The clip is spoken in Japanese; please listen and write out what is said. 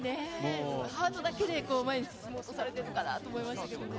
ハートだけで前に進もうとされてるのかなと思いましたけどね。